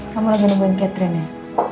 kamu lagi nungguin catherine ya